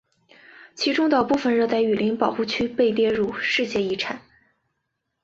其中的部分热带雨林保护区被列入世界遗产。